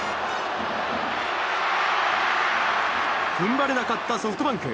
踏ん張れなかったソフトバンク。